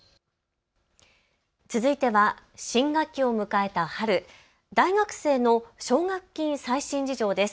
続いては新学期を迎えた春、大学生の奨学金最新事情です。